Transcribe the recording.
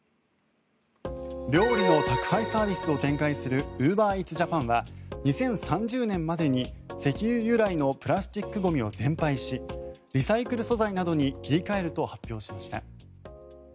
料理の宅配サービスを展開するウーバーイーツジャパンは２０３０年までに石油由来のプラスチックゴミを全廃しリサイクル素材などに切り替えると発表しました。